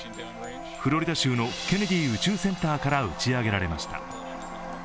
フロリダ州のケネディ宇宙センターから打ち上げられました。